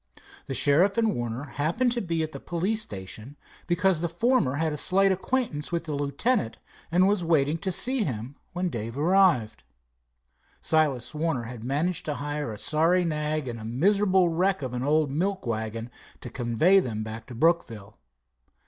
The sheriff and Warner happened to be at the police station, because the former had a slight acquaintance with the lieutenant, and was waiting to see him when Dave arrived. Silas Warner had managed to hire a sorry nag and a miserable wreck of an old milk wagon to convey them back to Brookville.